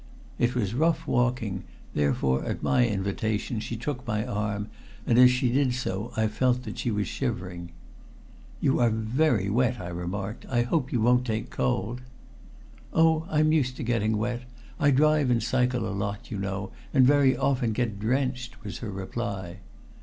It was rough walking, therefore at my invitation she took my arm, and as she did so I felt that she was shivering. "You are very wet," I remarked. "I hope you won't take cold." "Oh! I'm used to getting wet. I drive and cycle a lot, you know, and very often get drenched," was her reply.